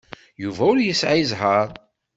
Yuba ur yesɛi zzheṛ.